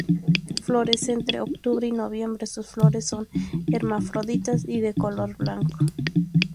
Florece entre octubre y noviembre, sus flores son hermafroditas y de color blanco.